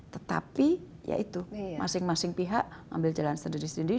tetapi ya itu masing masing pihak mengambil jalan sendiri sendiri